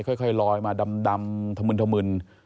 ค่อยลอยมาดำถมืน